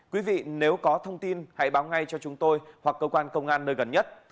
quý vị nếu có thông tin hãy báo ngay cho chúng tôi hoặc cơ quan công an nơi gần nhất